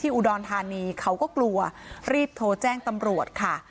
อุดรธานีเขาก็กลัวรีบโทรแจ้งตำรวจค่ะ